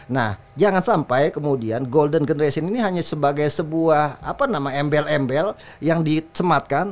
nah jangan sampai kemudian golden generation ini hanya sebagai sebuah embel embel yang dicematkan